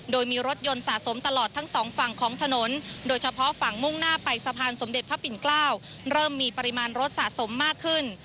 โดยมีรถยนต์สะสมตลอดทั้งสองฝั่งของถนนโดยเฉพาะฝั่งมุ่งหน้าไปสะพานสมเด็จพระปิ่นเกล้าเริ่มมีปริมาณรถสะสมมากขึ้น